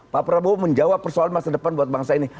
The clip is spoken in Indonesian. pak prabowo menjawab persoalan masa depan buat bangsa ini